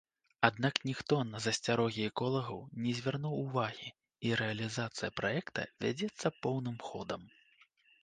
Аднак ніхто на засцярогі эколагаў не звярнуў увагі, і рэалізацыя праекта вядзецца поўным ходам.